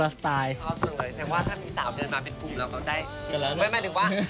แต่ว่าถ้ามีสาวเดินมาเป็นภูมิเรา